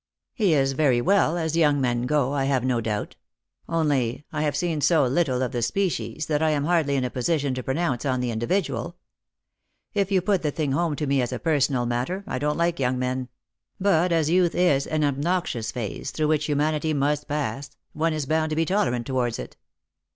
He is very well, as young men go, I have no doubt; only, I have seen so little of the species, that I am hardly in a position to pronounce on the individual. If you put the thing home to me as a personal matter, I don't like young men; but as youth is an obnoxious phase through which humanity must pass, one is bound to be tolerant towards it.